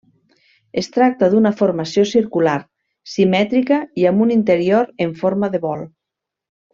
Es tracta d'una formació circular, simètrica i amb un interior en forma de bol.